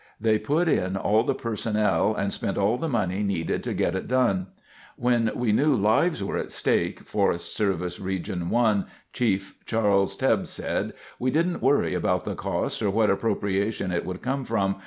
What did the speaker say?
They put in all the personnel, and spent all the money needed to get it done. "When we knew lives were at stake," Forest Service Region 1 Chief Charles Tebbe said, "We didn't worry about the cost or what appropriation it would come from.